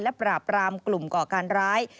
และปราบรามกลุ่มก่อการร้าย